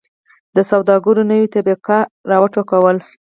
د سوداګرو نوې طبقه را و ټوکوله.